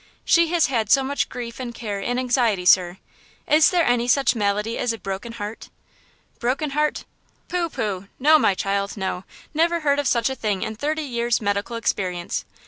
"She has had so much grief and care and anxiety, sir–doctor, is there any such malady as a broken heart?" "Broken heart? Pooh, pooh! no, my child, no! never heard of such a thing in thirty years' medical experience!